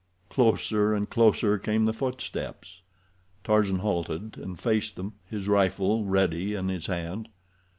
Closer and closer came the footsteps. Tarzan halted and faced them, his rifle ready in his hand.